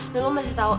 lo masih tau